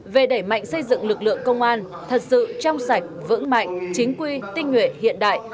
về đẩy mạnh xây dựng lực lượng công an thật sự trong sạch vững mạnh chính quy tinh nguyện hiện đại